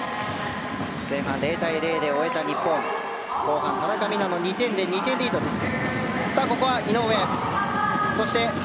前半０対０で終えた日本後半、田中美南の２点で２点リードです。